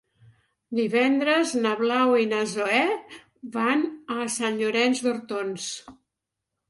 Divendres na Blau i na Zoè van a Sant Llorenç d'Hortons.